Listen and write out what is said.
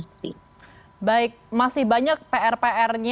baik masih banyak pr pr nya